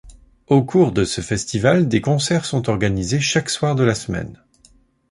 Au cours de ce festival, des concerts sont organisés chaque soir de la semaine.